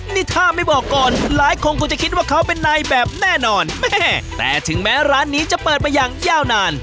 นี่ถ้าไม่บอกก่อนหลายคนคงจะคิดว่าเขาเป็นนายแบบแน่นอนแม่แต่ถึงแม้ร้านนี้จะเปิดมาอย่างยาวนาน